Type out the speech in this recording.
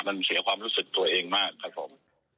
มันเสียความรู้สึกตัวเองมากขอขอบคุณ